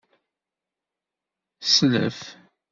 Slef.